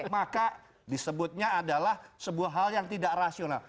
maka disebutnya adalah sebuah hal yang tidak rasional